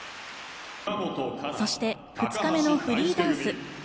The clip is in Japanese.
そして２日目のフリーダンス。